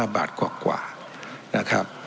๒๕บาทกว่า